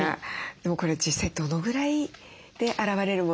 でもこれは実際どのぐらいで現れるものでしょうか？